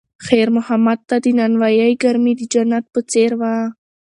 خیر محمد ته د نانوایۍ ګرمي د جنت په څېر وه.